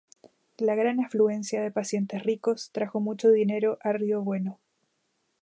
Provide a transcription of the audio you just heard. La gran afluencia de pacientes ricos trajo mucho dinero a Río Bueno.